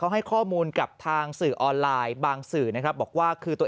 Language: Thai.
ให้ข้อมูลกับทางสื่อออนไลน์บางสื่อนะครับบอกว่าคือตัว